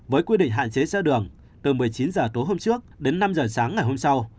với quy định hạn chế xe đường từ một mươi chín h tối hôm trước đến năm h sáng ngày hôm sau